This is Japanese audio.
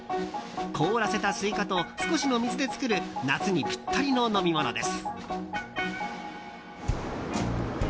凍らせたスイカと少しの水で作る夏にぴったりの飲み物です。